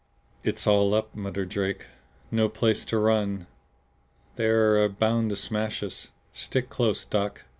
"It's all up," muttered Drake. "No place to run. They're bound to smash us. Stick close, Doc.